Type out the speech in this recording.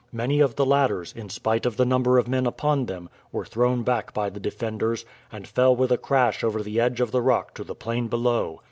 Many of the ladders, in spite of the number of men upon them, were thrown back by the defenders, and fell with a crash over the edge of the rock to the plain below.